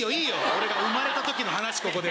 俺が生まれた時の話ここで。